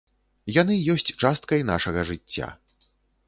Яны ёсць часткай нашага жыцця.